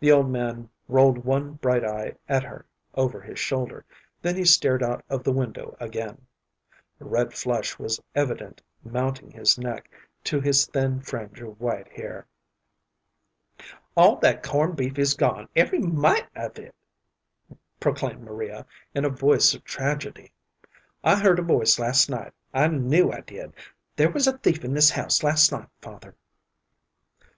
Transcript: The old man rolled one bright eye at her over his shoulder, then he stared out of the window again. A red flush was evident mounting his neck to his thin fringe of white hair. "All that corn' beef is gone, every mite of it," proclaimed Maria, in a voice of tragedy. "I heard a noise last night. I knew I did. There was a thief in this house last night, father."